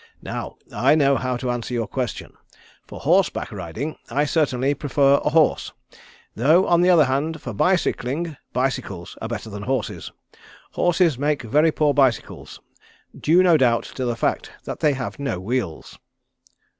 "Now I know how to answer your question. For horse back riding I certainly prefer a horse; though, on the other hand, for bicycling, bicycles are better than horses. Horses make very poor bicycles, due no doubt to the fact that they have no wheels."